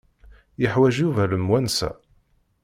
Yeḥwaj Yuba lemwansa?